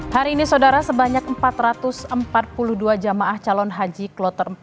hari ini saudara sebanyak empat ratus empat puluh dua jamaah calon haji kloter empat